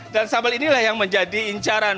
dan sambal inilah yang menjadi incaran